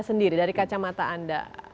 sendiri dari kacamata anda